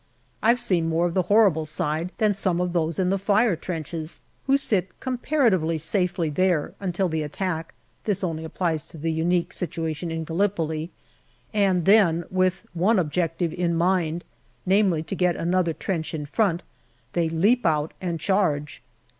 I've seen more of the horrible side than some of those in the fire trenches, who sit comparatively safely there until the attack (this only applies to the unique situation in Gallipoli), and then with one objective in mind, namely to get another trench in front, they leap out and charge.